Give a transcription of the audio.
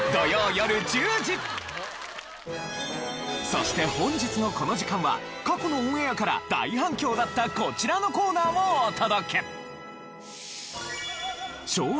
そして本日のこの時間は過去のオンエアから大反響だったこちらのコーナーをお届け。